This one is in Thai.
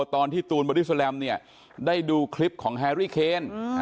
ตอนที่ตูนบอดี้แลมเนี่ยได้ดูคลิปของแฮรี่เคน